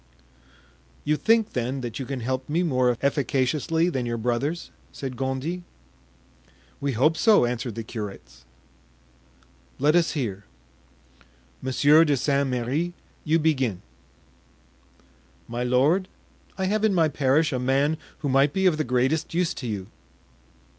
"You think, then, that you can help me more efficaciously than your brothers?" said Gondy. "We hope so," answered the curates. "Let us hear. Monsieur de St. Merri, you begin." "My lord, I have in my parish a man who might be of the greatest use to you."